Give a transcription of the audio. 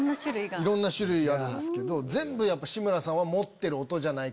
いろんな種類あるんですけど全部やっぱ志村さんは持ってる音じゃないかっていう。